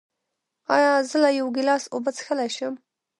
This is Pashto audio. ایا زه له یو ګیلاس اوبه څښلی شم؟